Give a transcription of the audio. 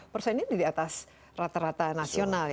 persennya di atas rata rata nasional